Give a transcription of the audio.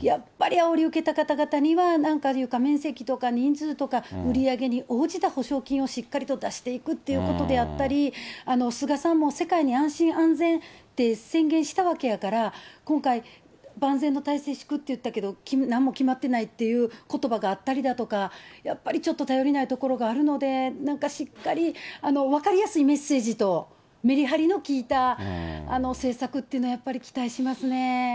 やっぱりあおりを受けた方々には、なんか床面積とか人数とか、売り上げに応じた補償金をしっかり出していくっていうことであったり、菅さんも世界に安心安全って宣言したわけやから、今回、万全の体制敷くっていったけど、何も決まってないっていうことばがあったりとか、やっぱりちょっと頼りないところがあるので、なんかしっかり、分かりやすいメッセージとめりはりの利いた政策というのをやっぱり期待しますね。